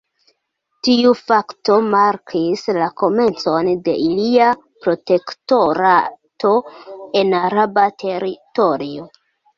Tiu fakto markis la komencon de ilia protektorato en araba teritorio.